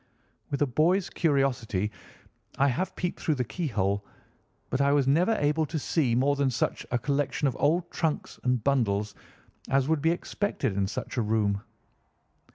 With a boy's curiosity I have peeped through the keyhole, but I was never able to see more than such a collection of old trunks and bundles as would be expected in such a room.